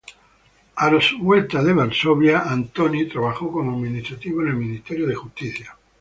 A su vuelta a Varsovia Antoni trabajó como administrativo en el ministerio de justicia.